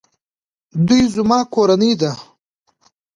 دوی زما کورنۍ ده